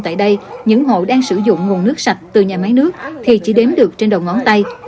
tại đây những hộ đang sử dụng nguồn nước sạch từ nhà máy nước thì chỉ đếm được trên đầu ngón tay